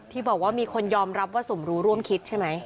ที่บอกว่ามีคนยอมรับว่าสมรู้ร่วมคิดใช่ไหม